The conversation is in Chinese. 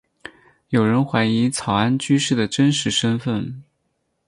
有人怀疑草庵居士的真实身份。